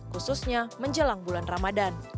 khususnya menjelang bulan ramadan